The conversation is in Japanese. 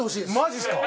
マジですか？